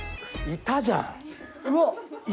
いたじゃん！